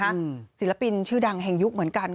ศิลปินชื่อดังแห่งยุคเหมือนกัน